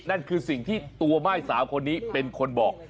นั่นคือสิ่งที่ตัวม่ายสาวคนนี้เป็นคนบอก